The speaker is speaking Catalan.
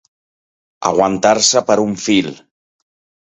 Aguantar-se per un fil.